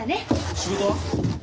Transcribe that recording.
仕事は？